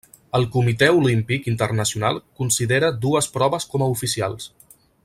El Comitè Olímpic Internacional considera dues proves com a oficials.